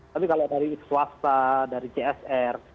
tapi kalau dari swasta dari csr